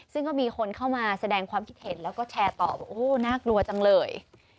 ซึ่งก็มีคนเข้ามาแสดงความคิดเห็นแล้วก็แชร์ต่อบอกโอ้น่ากลัวจังเลย